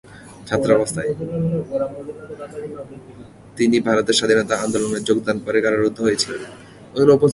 ছাত্রাবস্থায় তিনি ভারতের স্বাধীনতা আন্দোলনে যোগদান করে কারারুদ্ধ হয়েছিলেন।